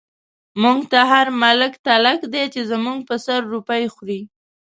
موږ ته هر ملک تلک دی، چی زموږ په سر روپۍ خوری